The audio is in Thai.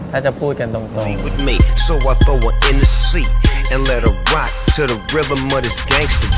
ท่านจะพูดกันตรง